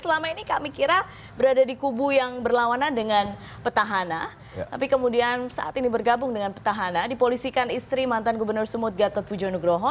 selama ini kami kira berada di kubu yang berlawanan dengan petahana tapi kemudian saat ini bergabung dengan petahana dipolisikan istri mantan gubernur sumut gatot pujo nugroho